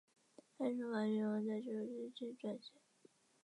该书的法语原文在十九世纪时撰写。